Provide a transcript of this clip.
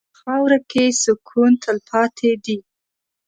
په خاوره کې سکون تلپاتې دی.